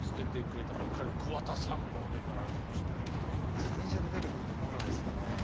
自転車で出てくると思わないですもんね。